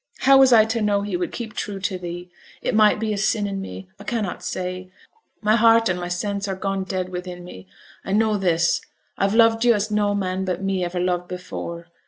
How was I to know he would keep true to thee? It might be a sin in me, I cannot say; my heart and my sense are gone dead within me. I know this, I've loved yo' as no man but me ever loved before.